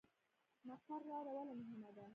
مقر لاره ولې مهمه ده؟